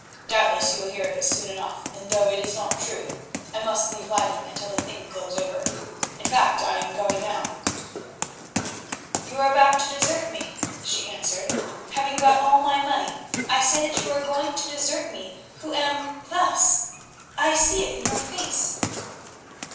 Doubtless you will hear of it soon enough, and though it is not true, I must leave Leyden until the thing blows over. In fact I am going now." "You are about to desert me," she answered; "having got all my money, I say that you are going to desert me who am—thus! I see it in your face."